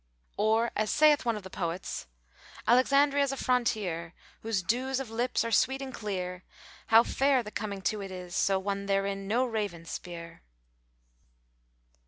'" Or as saith one of the poets, "Alexandria's a frontier;[FN#444] Whose dews of lips are sweet and clear; How fair the coming to it is, * So one therein no raven speer!"